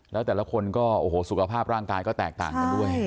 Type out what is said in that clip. แล้วแต่ละคนก็โอ้โหสุขภาพร่างกายก็แตกต่างกันด้วย